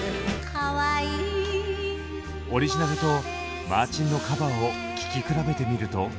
オリジナルとマーチンのカバーを聴き比べてみると。